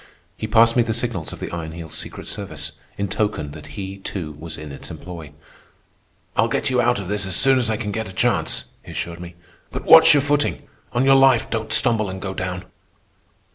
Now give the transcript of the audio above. He passed me the signals of the Iron Heel's secret service, in token that he, too, was in its employ. "I'll get you out of this as soon as I can get a chance," he assured me. "But watch your footing. On your life don't stumble and go down."